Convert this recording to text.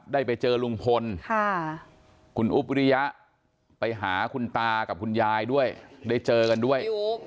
ได้ไปเจอลุงพลคุณอุ๊บวิริยะไปหาคุณตากับคุณยายด้วยได้เจอกันด้วย